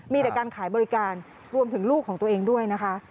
มีแต่การขายบริการรวมถึงลูกของตัวเองด้วยนะคะ